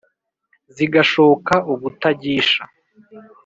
zigashoka ubutagisha